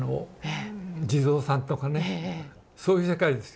地蔵さんとかねそういう世界ですよ。